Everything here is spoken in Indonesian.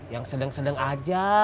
yang sedang sedang aja